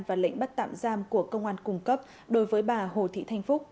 và lệnh bắt tạm giam của công an cung cấp đối với bà hồ thị thanh phúc